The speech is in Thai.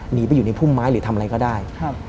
หนีไปอยู่ในพุ่มไม้หรือทำอะไรก็ได้